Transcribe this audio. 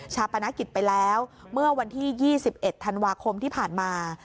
ปนกิจไปแล้วเมื่อวันที่๒๑ธันวาคมที่ผ่านมา